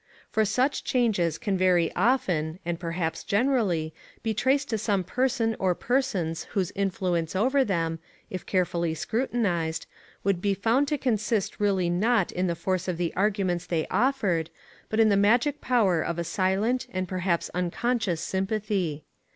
For such changes can very often, and perhaps generally, be traced to some person or persons whose influence over them, if carefully scrutinized, would be found to consist really not in the force of the arguments they offered, but in the magic power of a silent and perhaps unconscious sympathy.